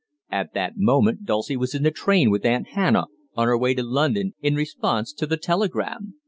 At that moment Dulcie was in the train with Aunt Hannah, on her way to London in response to the telegram.